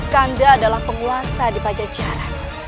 kanda adalah penguasa di pajajaran